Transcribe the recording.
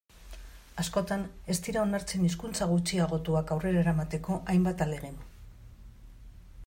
Askotan ez dira onartzen hizkuntza gutxiagotuak aurrera eramateko hainbat ahalegin.